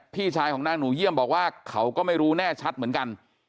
พี่ชายของนางหนูเยี่ยมบอกว่าเขาก็ไม่รู้แน่ชัดเหมือนกัน